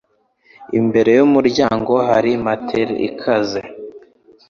Imbere yumuryango hari matel ikaze.